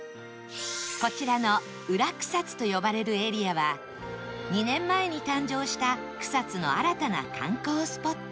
こちらの裏草津と呼ばれるエリアは２年前に誕生した草津の新たな観光スポット